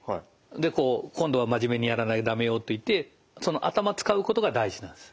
でこう今度は真面目にやらないと駄目よといってその頭使うことが大事なんです。